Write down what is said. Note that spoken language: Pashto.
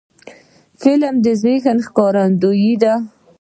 فلم د ذهن ښکارندوی دی